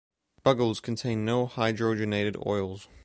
Bugles contain no hydrogenated oils.